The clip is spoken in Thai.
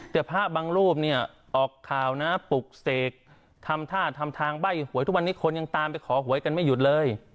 แต่พระบางรูปเนี่ยออกข่าวนะปลุกเสกทำท่าทำทางใบ้หวยทุกวันนี้คนยังตามไปขอหวยกันไม่หยุดเลย